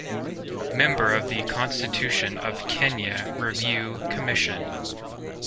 Member of the Constitution of Kenya Review Commission.